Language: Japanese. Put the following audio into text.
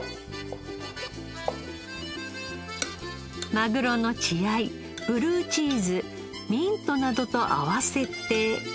マグロの血合いブルーチーズミントなどと合わせて。